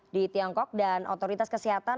di tiongkok dan otoritas kesehatan